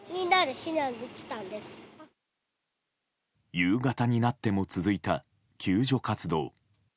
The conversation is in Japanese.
夕方になっても続いた救助活動。